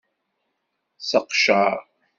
Seqcer.